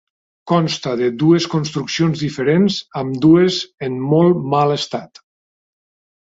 Consta de dues construccions diferents, ambdues en molt mal estat.